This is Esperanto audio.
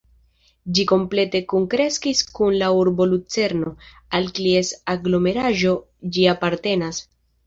Ĝi komplete kunkreskis kun la urbo Lucerno, al kies aglomeraĵo ĝi apartenas.